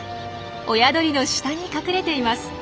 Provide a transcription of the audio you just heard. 親鳥の下に隠れています。